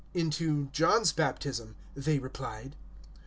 "Into John's baptism," they replied.